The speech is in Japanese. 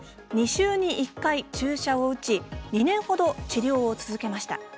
２週に１回、注射を打ち２年ほど治療を続けました。